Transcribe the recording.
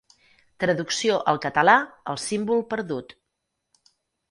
Traducció al català El símbol perdut.